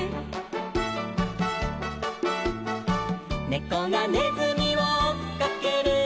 「ねこがねずみをおっかける」